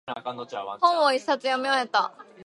本を一冊読み終えた。